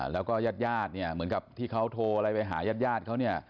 แล้วก็ญาติญาติเนี่ยเหมือนกับที่เขาโทรอะไรไปหายาดเขาเนี่ย